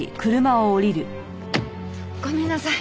ごめんなさい。